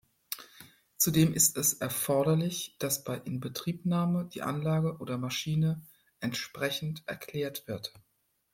Zudem ist es erforderlich, dass bei Inbetriebnahme die Anlage oder Maschine entsprechend erklärt wird.